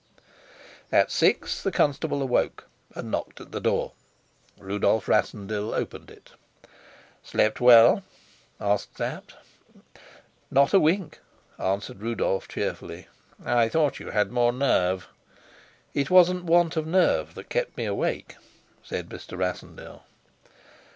At six the constable awoke and knocked at the door; Rudolf Rassendyll opened it. "Slept well?" asked Sapt. "Not a wink," answered Rudolf cheerfully. "I thought you had more nerve." "It wasn't want of nerve that kept me awake," said Mr. Rassendyll.